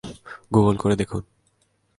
Google করে দেখুন।